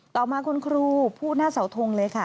ต่อมาคุณครูพูดหน้าเสาทงเลยค่ะ